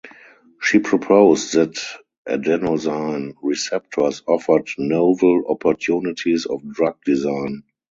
She proposed that adenosine receptors offered novel opportunities of drug design.